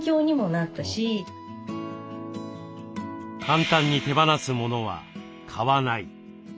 簡単に手放すモノは買わない。